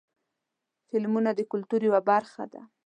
فلمونه د کلتور یوه برخه ده.